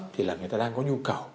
thì là người ta đang có nhu cầu